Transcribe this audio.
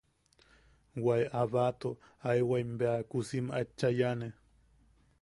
Wame a batoo aewaim bea kuusim aet chayaane.